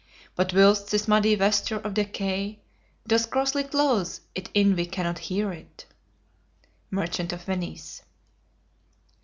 But whilst this muddy vesture of decay Doth grossly close it in we cannot hear it." Merchant of Venice.